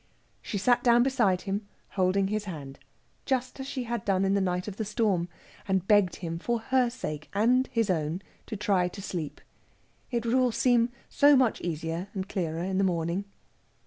She sat down beside him, holding his hand, just as she had done in the night of the storm, and begged him for her sake and his own to try to sleep. It would all seem so much easier and clearer in the morning.